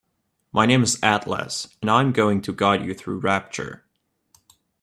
My name is Atlas and I'm going to guide you through Rapture.